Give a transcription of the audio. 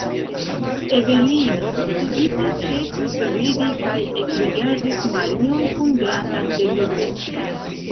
Evelino subite ĉesis ridi kaj ekrigardis Marion kun granda seriozeco.